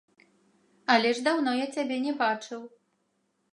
Але ж даўно я цябе не бачыў.